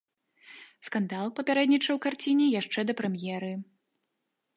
Скандал папярэднічаў карціне яшчэ да прэм'еры.